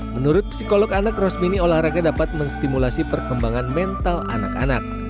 menurut psikolog anak rosmini olahraga dapat menstimulasi perkembangan mental anak anak